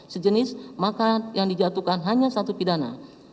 sejenis maka yang dijatuhkan hanya satu pidana